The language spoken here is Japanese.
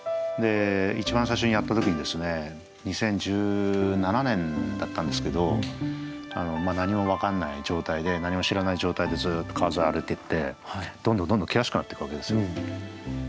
一番最初にやった時に２０１７年だったんですけど何も分かんない状態で何も知らない状態でずっと川沿い歩いていってどんどんどんどん険しくなってくわけですよ。